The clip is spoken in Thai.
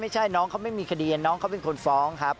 ไม่ใช่น้องเขาไม่มีคดีน้องเขาเป็นคนฟ้องครับ